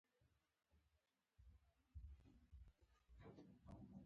خو کله یې هم مثبت ځواب نه دی ترلاسه کړی.